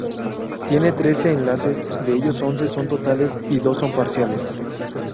Tiene trece enlaces, de ellos, once son totales y dos son parciales.